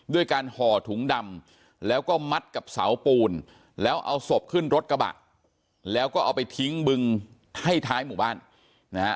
ด้วยการห่อถุงดำแล้วก็มัดกับเสาปูนแล้วเอาศพขึ้นรถกระบะแล้วก็เอาไปทิ้งบึงให้ท้ายหมู่บ้านนะฮะ